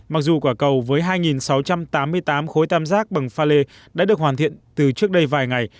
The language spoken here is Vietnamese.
mặc dù quả cầu với hai sáu trăm tám mươi tám khối tam giác bằng pha lê đã được hoàn thiện từ trước đây vài ngày